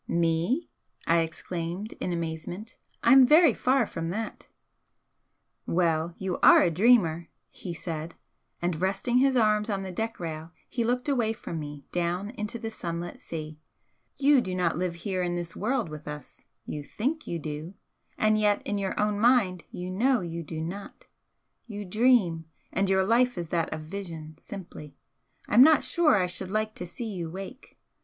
"Me!" I exclaimed, in amazement "I'm very far from that " "Well, you are a dreamer!" he said, and resting his arms on the deck rail he looked away from me down into the sunlit sea "You do not live here in this world with us you think you do, and yet in your own mind you know you do not. You dream and your life is that of vision simply. I'm not sure that I should like to see you wake.